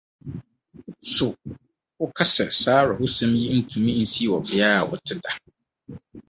So woka sɛ saa awerɛhosɛm yi ntumi nsi wɔ beae a wote da?